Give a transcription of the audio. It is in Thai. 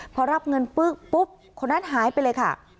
พอรับเงินปุ๊บปุ๊บคนนั้นหายไปเลยค่ะ